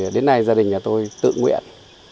đến nay gia đình tôi tự nguyện